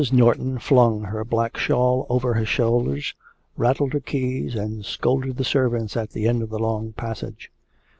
Norton flung her black shawl over her shoulders, rattled her keys, and scolded the servants at the end of the long passage.